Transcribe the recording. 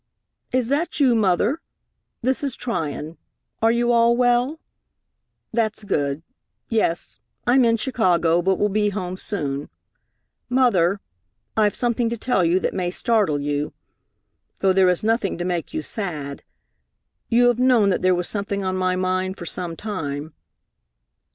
"Is that you, Mother? This is Tryon. Are you all well? That's good. Yes, I'm in Chicago, but will soon be home. Mother, I've something to tell you that may startle you, though there is nothing to make you sad. You have known that there was something on my mind for some time."